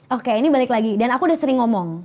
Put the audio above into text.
oke ini balik lagi dan aku udah sering ngomong